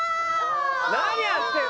何やってるの！